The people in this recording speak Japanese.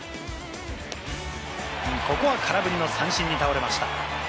ここは空振りの三振に倒れました。